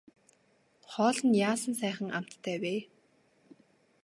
Хоол нь яасан сайхан амттай вэ.